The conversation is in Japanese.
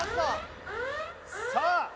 さあ